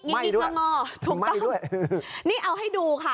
ไหม้ด้วยไหม้ด้วยถูกต้องนี่เอาให้ดูค่ะ